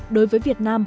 đối với việt nam